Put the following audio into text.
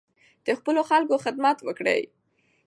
د خپلو خلکو خدمت وکړئ.